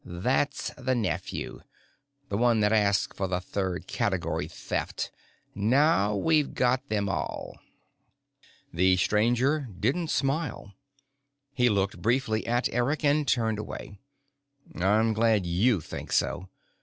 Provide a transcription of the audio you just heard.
"That's the nephew. The one that asked for the third category Theft. Now we've got them all." The Stranger didn't smile. He looked briefly at Eric and turned away. "I'm glad you think so.